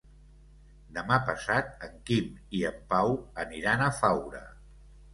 Demà passat en Quim i en Pau aniran a Faura.